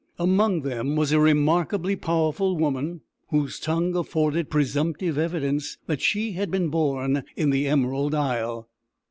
Among them was a remarkably powerful woman, whose tongue afforded presumptive evidence that she had been born in the Emerald Isle.